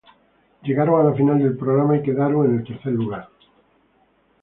Llegaron a la final del programa y quedaron en el tercer lugar.